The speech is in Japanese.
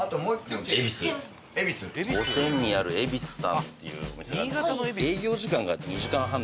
五泉にある恵比寿さんっていう店が営業時間が２時間半。